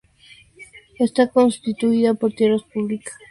Está constituida por tierras públicas y privadas".